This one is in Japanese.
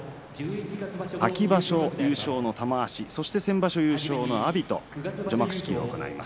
秋場所優勝の玉鷲そして先場所優勝の阿炎の除幕式が行われます。